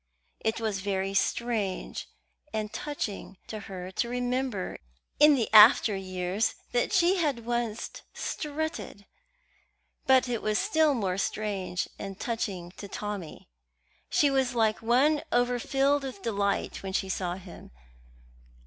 It was very strange and touching to her to remember in the after years that she had once strutted, but it was still more strange and touching to Tommy. She was like one overfilled with delight when she saw him.